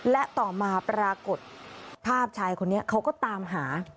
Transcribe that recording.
และต่อมาปรากฏภาพชายคนนี้เขาก็ตามหา